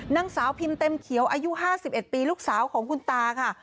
นางสาวพิมพ์เต็มเขียวอายุ๕๑ปีลูกสาวของคุณตาค่ะ